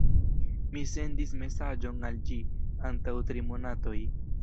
Mi sendis mesaĝon al ĝi antaŭ tri monatoj.